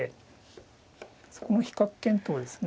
そこの比較検討ですね。